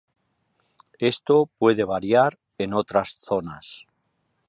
Esto puede variar en otras zonas.